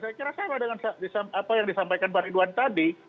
saya kira sama dengan apa yang disampaikan pak ridwan tadi